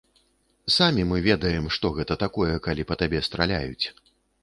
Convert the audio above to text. Самі мы ведаем, што гэта такое, калі па табе страляюць.